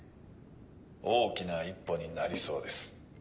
大きな一歩になりそうです。